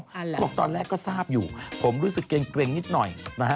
อันละครับเพราะว่าตอนแรกก็ทราบอยู่ผมรู้สึกเกร็งนิดหน่อยนะฮะ